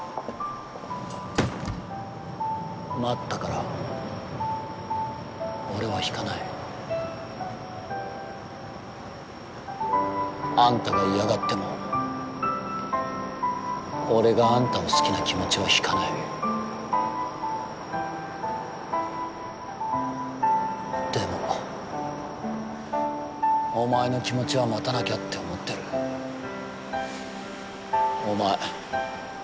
待ったから俺は引かないあんたが嫌がっても俺があんたを好きな気持ちは引かないでもお前の気持ちは待たなきゃって思ってるお前